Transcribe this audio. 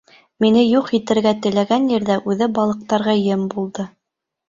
Мине юҡ итергә теләгән ерҙә үҙе балыҡтарға ем булды.